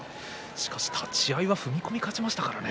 しかし立ち合いは踏み込み勝ちましたからね。